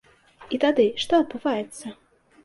І тады, што адбываецца?